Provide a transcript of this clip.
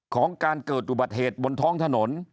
ของการเกิดอุบัติเหตุบนท้องถนน